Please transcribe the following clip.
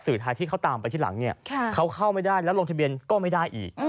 ไทยที่เขาตามไปที่หลังเนี่ยเขาเข้าไม่ได้แล้วลงทะเบียนก็ไม่ได้อีก